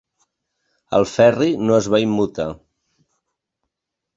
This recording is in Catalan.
El Ferri no es va immutar.